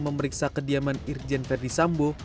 memeriksa kediaman irjen ferdisambo